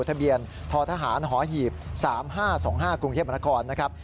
ทะเบียนทอทหารหอหีบ๓๕๒๕กรุงเทพฯบรรทคอน